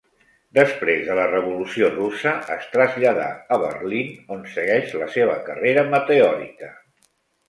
Després de la revolució russa es traslladà a Berlín, on segueix la seva carrera meteòrica.